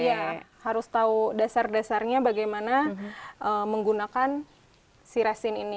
iya harus tahu dasar dasarnya bagaimana menggunakan si resin ini